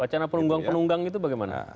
wacana penunggang penunggang itu bagaimana